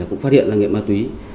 cũng phát hiện nghiệp ma túy